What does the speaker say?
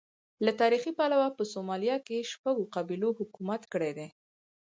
له تاریخي پلوه په سومالیا کې شپږو قبیلو حکومت کړی دی.